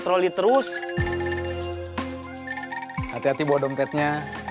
tapi replacement orada nggaknya